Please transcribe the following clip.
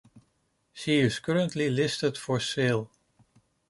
She is currently listed for sale.